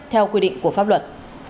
theo quyết định của pháp luật